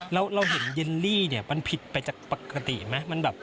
แล้วเราเห็นเยลลี่เนี่ยมันผิดไปจากปกติไหม